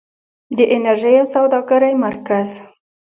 د انرژۍ او سوداګرۍ مرکز.